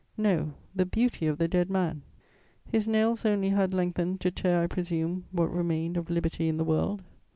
No, the beauty of the dead man; his nails only had lengthened, to tear, I presume, what remained of liberty in the world.